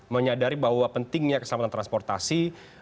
menyadari bahwa pentingnya keselamatan transportasi